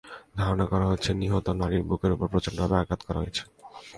ধারণা করা হচ্ছে, নিহত নারীর বুকের ওপর প্রচণ্ডভাবে আঘাত করা হয়েছে।